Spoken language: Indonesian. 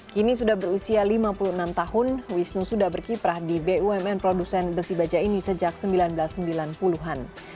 kini sudah berusia lima puluh enam tahun wisnu sudah berkiprah di bumn produsen besi baja ini sejak seribu sembilan ratus sembilan puluh an